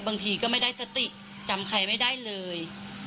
บางทีก็ไม่ได้สติจำใครไม่ได้เลย